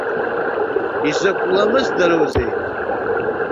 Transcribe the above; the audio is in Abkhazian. Изакә ламысдароузеи!